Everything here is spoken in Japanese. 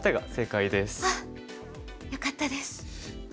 あっよかったです。